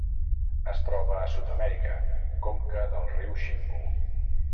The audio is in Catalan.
Es troba a Sud-amèrica: conca del riu Xingu.